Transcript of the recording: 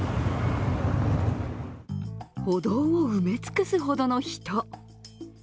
歩道を埋め尽くすほどの人。